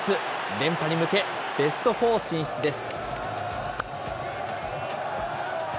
連覇に向け、ベストフォー進出です。